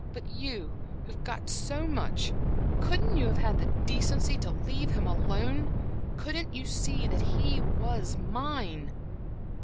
But you who've got so much couldn't you have had the decency to leave him alone? Couldn't you see that he was mine?"